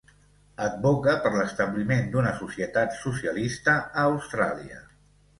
Advoca per l'establiment d'una societat socialista a Austràlia.